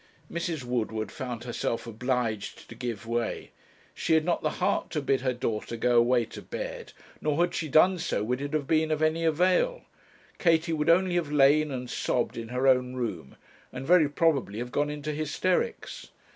Mrs. Woodward found herself obliged to give way. She had not the heart to bid her daughter go away to bed, nor, had she done so, would it have been of any avail. Katie would only have lain and sobbed in her own room, and very probably have gone into hysterics.